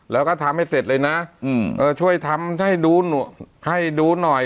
แล้วก็ทำให้เสร็จเลยนะช่วยทำให้ดูให้ดูหน่อย